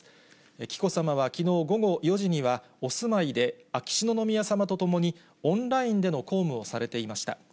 紀子さまはきのう午後４時には、お住まいで秋篠宮さまと共にオンラインでの公務をされていました。